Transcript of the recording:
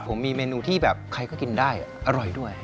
ผมมีเมนูที่แบบใครก็กินได้อร่อยด้วย